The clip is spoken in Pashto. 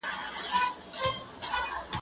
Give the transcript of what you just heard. زه به د کتابتون کتابونه لوستي وي!.